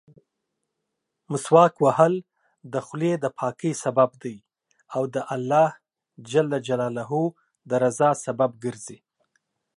مسواک وهل د خولې دپاکۍسبب دی او د الله جل جلاله درضا سبب ګرځي.